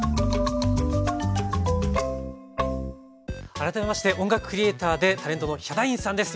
改めまして音楽クリエーターでタレントのヒャダインさんです。